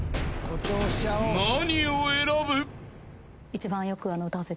［何を選ぶ？］